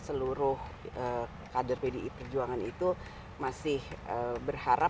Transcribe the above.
seluruh kader pdi perjuangan itu masih berharap